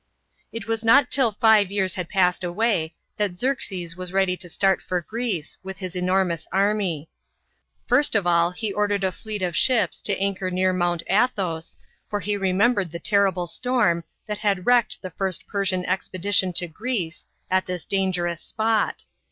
It was not till five years had passed away, that Xerxes was ready to start for Greece, with his enormous army. First of all he ordered a fleet of ships to anchor near Mount Athos, for he re membered the 'terrible storm, that had wrecked the first Persian expedition to Greece, at this dangerous spot.